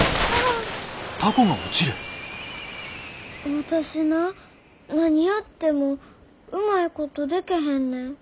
私な何やってもうまいことでけへんねん。